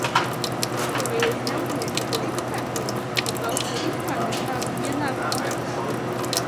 Ja jūs neuzliekat to izkārtojumu, tad valstī vispār nekādu pienākumu šitādu nav.